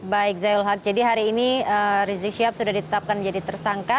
baik zayul haq jadi hari ini rizik syihab sudah ditetapkan menjadi tersangka